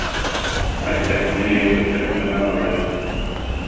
Айта, мин эйигин көрсүөхпүн наһаа баҕарар этим